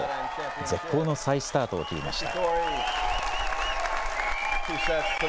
絶好の再スタートを切りました。